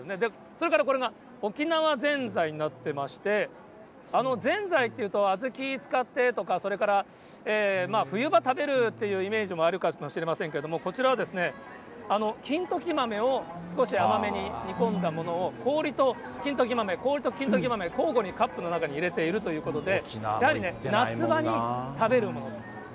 それからこれが、沖縄ぜんざいになっていまして、ぜんざいっていうと、小豆使ってとか、それから冬場、食べるっていうイメージもあるかもしれませんけど、こちらは金時豆を少し甘めに煮込んだものを氷と金時豆、氷と金時豆、交互にカップの中に入れているということで、やはり夏場に食べるもの。